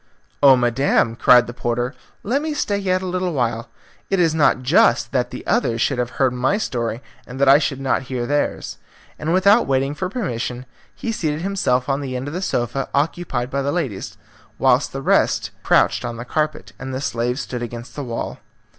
"Oh, madam," cried the porter, "let me stay yet a little while. It is not just that the others should have heard my story and that I should not hear theirs," and without waiting for permission he seated himself on the end of the sofa occupied by the ladies, whilst the rest crouched on the carpet, and the slaves stood against the wall.